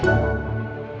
tunggu sebentar ya